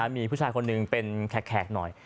มีผู้ชายคนหนึ่งเป็นแขกหน่อย